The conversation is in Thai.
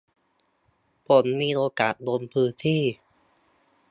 ผมมีโอกาสลงพื้นที่